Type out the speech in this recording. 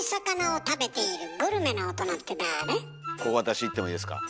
ここ私いってもいいですか？